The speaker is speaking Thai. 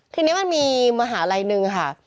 คือมันมีมหาลัยนึงค่ะ